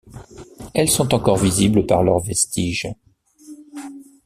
Elles sont encore visibles par leurs vestiges.